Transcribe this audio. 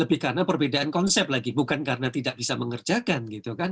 lebih karena perbedaan konsep lagi bukan karena tidak bisa mengerjakan gitu kan